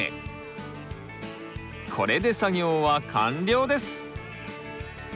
これで作業は完了です！